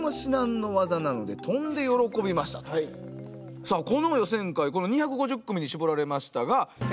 さあこの予選会この２５０組に絞られましたがうわ厳しい。